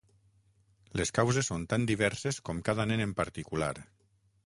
Les causes són tan diverses com cada nen en particular.